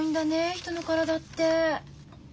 人の体って。